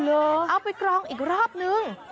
เอาไปกรองอีกรอบนึง